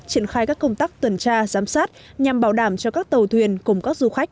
triển khai các công tác tuần tra giám sát nhằm bảo đảm cho các tàu thuyền cùng các du khách